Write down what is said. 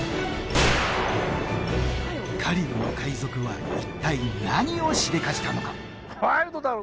カリブの海賊は一体何をしでかしたのか？